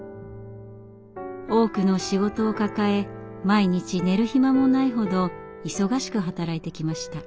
多くの仕事を抱え毎日寝る暇もないほど忙しく働いてきました。